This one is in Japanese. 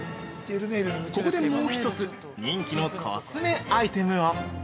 ここで、もう一つ人気のコスメアイテムを。